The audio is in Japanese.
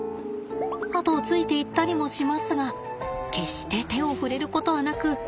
後をついていったりもしますが決して手を触れることはなく。